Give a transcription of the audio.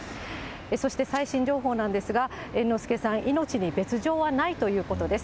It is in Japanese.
そして最新情報なんですが、猿之助さん、命に別状はないということです。